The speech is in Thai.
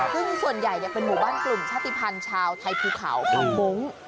ซึ่งส่วนใหญ่เป็นหมู่บ้านกลุ่มชาติภัณฑ์ชาวไทยภูเขาเผามงค์